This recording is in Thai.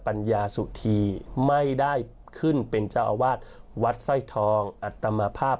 ปัญญาสุธีไม่ได้ขึ้นเป็นเจ้าอาวาสวัดสร้อยทองอัตมาภาพ